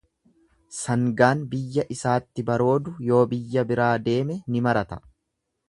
Sangaan biyya isaatti baroodu yoo biyya biraa deeme ni marata.